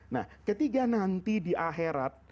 nah ketika nanti di akhirat